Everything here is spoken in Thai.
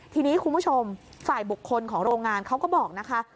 ทีนี้คุณผู้ชมฝ่ายบุคคลของโรงงานเขาก็บอกนะคะ